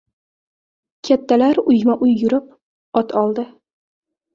Kattalar uyma-uy yurib, ot oldi.